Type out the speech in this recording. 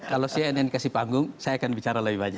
kalau cnn kasih panggung saya akan bicara lebih banyak